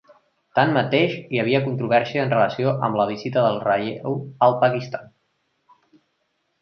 Tanmateix, hi havia controvèrsia en relació amb la visita del relleu al Pakistan.